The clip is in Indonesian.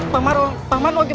pak man lagi bener raden